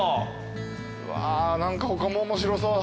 うわ何か他も面白そう。